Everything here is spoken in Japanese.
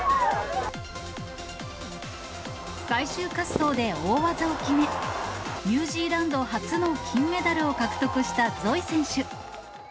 最終滑走で大技を決め、ニュージーランド初の金メダルを獲得したゾイ選手。